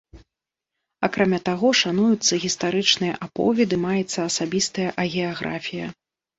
Акрамя таго, шануюцца гістарычныя аповеды, маецца асабістая агіяграфія.